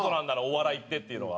笑いってっていうのは。